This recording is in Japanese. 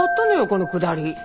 このくだり。